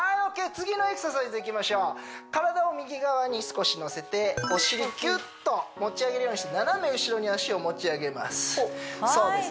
次のエクササイズいきましょう体を右側に少しのせてお尻キュッと持ち上げるようにして斜め後ろに脚を持ち上げますそうです